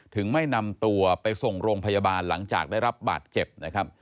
ไม่นำตัวไปส่งโรงพยาบาลหลังจากได้รับบาดเจ็บนะครับ